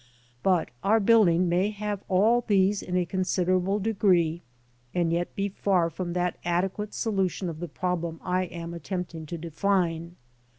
But our building may have all these in a considerable degree and yet be far from that adequate solution of the problem I am at tempting to define.